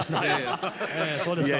そうですか？